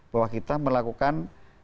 bahwa kita melakukan